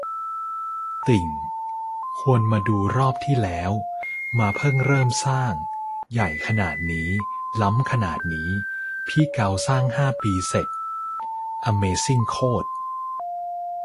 ติ่ง ควรมาดูรอบที่แล้วมาเพิ่งเริ่มสร้าง ใหญ่ขนาดนี้ ล้ำขนาดนี้ พี่เกาสร้างห้าปีเสร็จ อะเมซิ่งโคตร